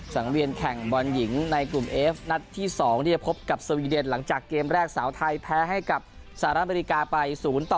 สังเวียนแข่งบอลหญิงในกลุ่มเอฟนัดที่๒ที่จะพบกับสวีเดนหลังจากเกมแรกสาวไทยแพ้ให้กับสหรัฐอเมริกาไป๐ต่อ